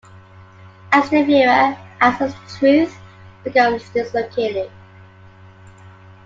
As the viewer, access to truth becomes dislocated.